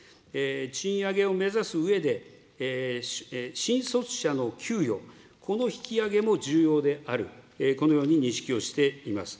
賃上げを目指すうえで、新卒者の給与、この引き上げも重要である、このように認識をしています。